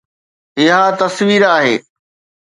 اها تصوير آهي